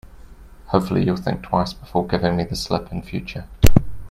Hopefully, you'll think twice before giving me the slip in future.